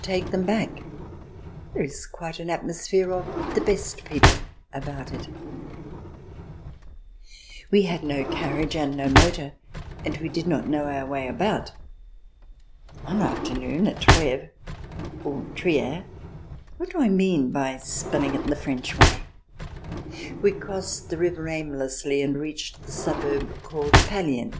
VI] BEER GARDENS 8i them back. There is quite an atmosphere of " the best people " about it all. We had no carriage and no motor_, and we did not know our way about. One afternoon, at Treves, or Trier — what do I mean by spelling it the French way ?— we crossed the river aimlessly and reached the suburb called Pallien.